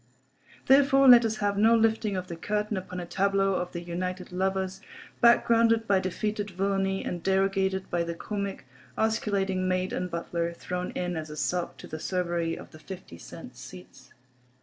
Therefore let us have no lifting of the curtain upon a tableau of the united lovers, backgrounded by defeated villainy and derogated by the comic, osculating maid and butler, thrown in as a sop to the Cerberi of the fifty cent seats.